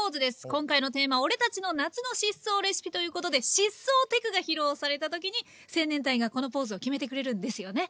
今回のテーマ「俺たちの夏の疾走レシピ！」ということで疾走テクが披露された時に青年隊がこのポーズを決めてくれるんですよね。